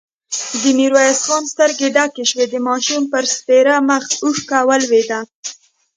د ميرويس خان سترګې ډکې شوې، د ماشوم پر سپېره مخ اوښکه ولوېده.